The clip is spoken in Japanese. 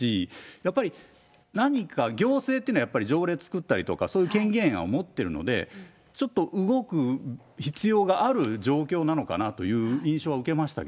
やっぱり何か、行政っていうのは条例作ったりとか、そういう権限を持ってるので、ちょっと動く必要がある状況なのかなという印象は受けました